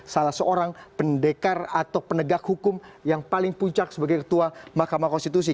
salah seorang pendekar atau penegak hukum yang paling puncak sebagai ketua mahkamah konstitusi